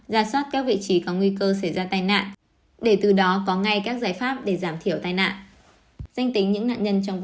ra soát các vị trí có nguy cơ xảy ra tai nạn để từ đó có ngay các giải pháp để giảm thiểu tai nạn